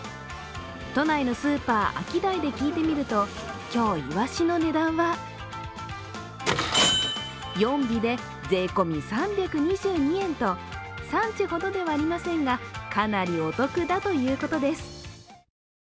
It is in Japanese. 都内のスーパー、アキダイで聞いてみると今日、いわしの値段は４尾で税込み３２２円と産地ほどではありませんがかなりお得だということです。